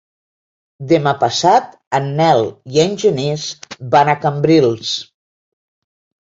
Demà passat en Nel i en Genís van a Cambrils.